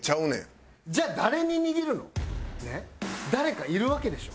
誰かいるわけでしょ？